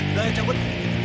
udah ya cowok